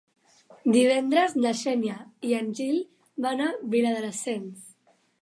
Divendres na Xènia i en Gil van a Viladasens.